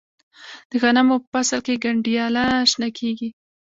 د غنمو په فصل کې گنډیاله شنه کیږي.